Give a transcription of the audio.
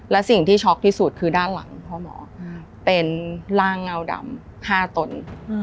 และสิ่งที่ช็อกที่สุดคือด้านหลังพ่อหมอเป็นร่างเงาดำ๕ตน